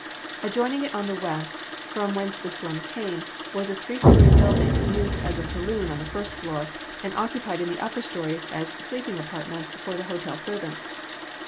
Adjoining it on the west, from whence the storm came, was a three story building used as a saloon on the first floor, and occupied in the upper stories as sleeping apartments for the hotel servants.